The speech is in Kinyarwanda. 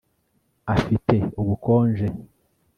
Afite ubukonje